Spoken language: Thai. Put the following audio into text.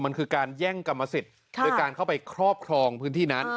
มันคือการแย่งกรรมสิทธิ์โดยการเข้าไปครอบครองพื้นที่นั้น